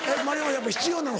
やっぱ必要なの？